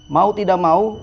mau tidak mau